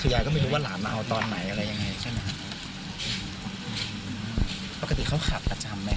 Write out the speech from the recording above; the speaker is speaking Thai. คือยายก็ไม่รู้ว่าหลานมาเอาตอนไหนอะไรยังไงใช่ไหมฮะปกติเขาขับประจำไหม